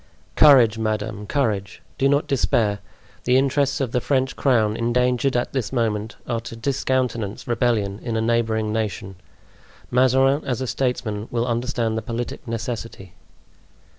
"Courage, madame! courage! Do not despair! The interests of the French crown, endangered at this moment, are to discountenance rebellion in a neighboring nation. Mazarin, as a statesman, will understand the politic necessity."